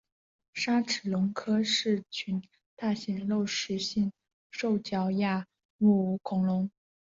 鲨齿龙科是群大型肉食性兽脚亚目恐龙。